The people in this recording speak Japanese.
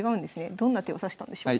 どんな手を指したんでしょうか。